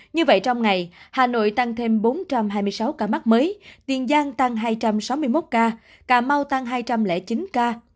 như vậy trong ngày hà nội tăng thêm bốn trăm hai mươi sáu ca mắc mới tiền giang tăng hai trăm sáu mươi một ca cà mau tăng hai trăm linh chín ca